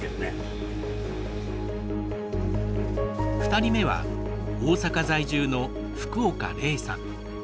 ２人目は大阪在住の福岡麗さん。